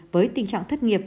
với tình trạng thất nghiệp